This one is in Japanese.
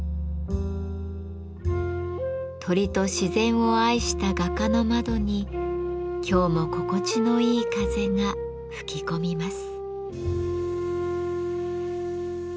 鳥と自然を愛した画家の窓に今日も心地のいい風が吹き込みます。